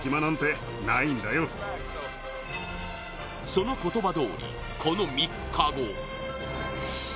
その言葉どおりこの３日後